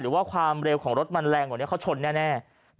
ว่าความเร็วของรถมันแรงกว่านี้เขาชนแน่